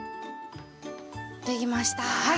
できました。